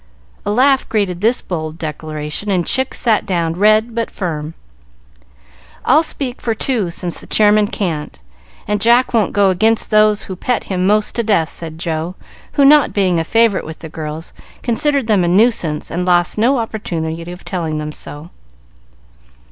A laugh greeted this bold declaration, and Chick sat down, red but firm. "I'll speak for two since the Chairman can't, and Jack won't go against those who pet him most to death," said Joe, who, not being a favorite with the girls, considered them a nuisance and lost no opportunity of telling them so.